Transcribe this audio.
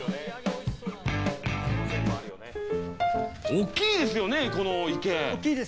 大きいですよね、この池。